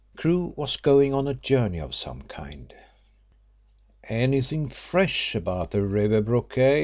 Crewe was going on a journey of some kind. "Anything fresh about the Riversbrook case?"